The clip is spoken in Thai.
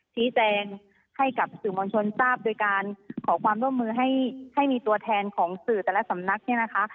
ชี้แจงให้กับสื่อมวลชนทราบโดยการขอความร่วมมือให้มีตัวแทนของสื่อแต่ละสำนักเนี่ยนะคะ